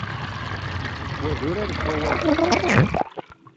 Wa d urar n wawalen.